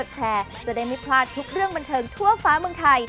แชร์จะได้ไม่พลาดทุกเรื่องบันเทิงทั่วฟ้าเมืองไทย